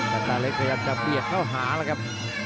ตาเล็กพยายามจะเบียดเข้าหาแล้วครับ